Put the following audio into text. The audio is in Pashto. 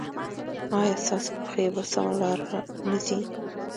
ایا ستاسو پښې په سمه لار نه ځي؟